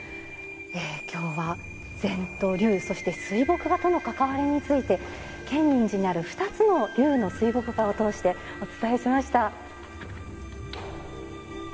今日は禅と龍そして水墨画との関わりについて建仁寺にある２つの龍の水墨画を通してお伝えしました。